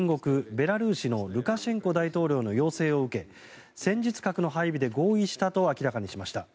ベラルーシのルカシェンコ大統領の要請を受け戦術核の配備で合意したと明らかにしました。